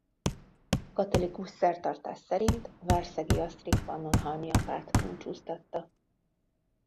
Katolikus szertartás szerint Várszegi Asztrik pannonhalmi apát búcsúztatta.